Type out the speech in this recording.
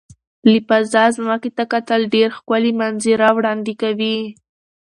له فضا ځمکې ته کتل ډېر ښکلي منظره وړاندې کوي.